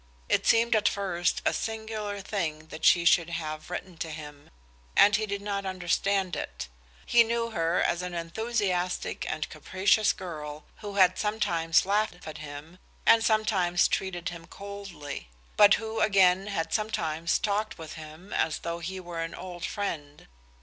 It seemed at first a singular thing that she should have written to him, and he did not understand it. He knew her as an enthusiastic and capricious girl who had sometimes laughed at him, and sometimes treated him coldly; but who, again, had sometimes talked with him as though he were an old friend.